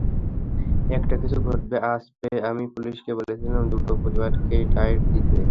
একটা কিছু ঘটবে আঁচ পেয়ে আমি পুলিশকে বলেছিলাম দুটো পরিবারকেই টাইট দিতে।